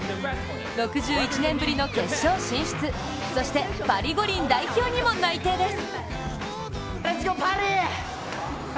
６１年ぶりの決勝進出、そして、パリ五輪代表にも内定です。